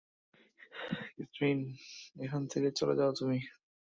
Catherine, এখান থেকে চলে যাও তুমি।